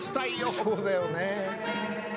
そうだよね。